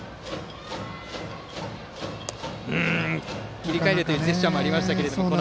切り替えろというジェスチャーもありましたが。